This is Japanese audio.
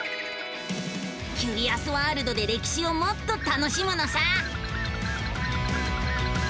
キュリアスワールドで歴史をもっと楽しむのさ！